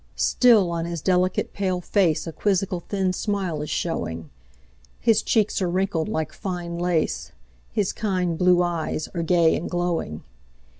Still on his delicate pale faceA quizzical thin smile is showing, His cheeks are wrinkled like fine lace, His kind blue eyes are gay and glowing.